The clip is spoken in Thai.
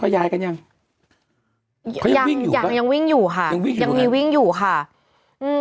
เป็นการกระตุ้นการไหลเวียนของเลือด